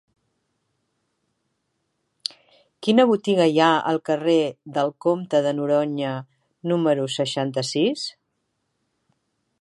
Quina botiga hi ha al carrer del Comte de Noroña número seixanta-sis?